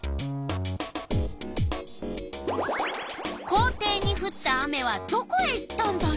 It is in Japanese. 校庭にふった雨はどこへ行ったんだろう？